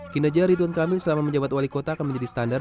kinerja rituan kamil selama menjabat wali kota akan menjadi standar